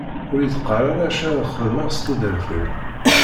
Ur yi-d-qqar ara acu ara xedmeɣ s tudert-iw.